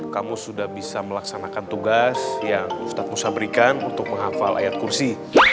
kamu sudah bisa melaksanakan tugas yang ustadz musa berikan untuk menghafal ayat kursi